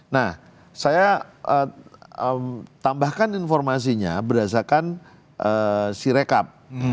nah saya tambahkan informasinya berdasarkan sirekap